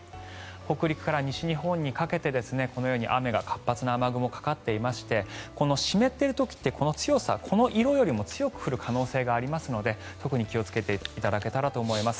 北陸から西日本にかけてこのように活発な雨雲がかかっていまして湿っている時って強さこの色よりも強く降る可能性がありますので特に気をつけていただけたらと思います。